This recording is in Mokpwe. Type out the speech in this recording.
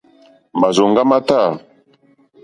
Màrzòŋɡá má tâ.